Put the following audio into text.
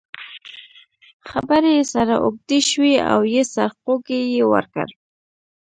خبرې یې سره اوږدې شوې او یو څه سرخوږی یې ورکړ.